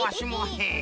へえ！